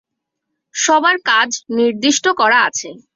সবার কাজ নির্দিষ্ট করা আছে।